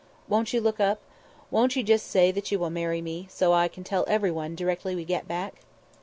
"Won't you look up? Won't you just say that you will marry me, so that I can tell everyone directly we get back?"